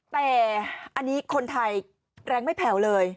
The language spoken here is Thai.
แต่อันนี้คนไทยแรงไม่แผ่วเลย